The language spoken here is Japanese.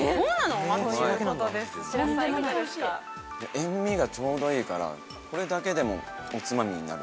塩味がちょうどいいからこれだけでもおつまみになる。